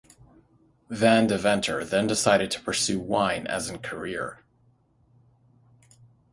Van Deventer then decided to pursue wine as an career.